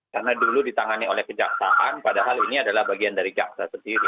karena dulu ditangani oleh kejaksaan padahal ini adalah bagian dari jaksa sendiri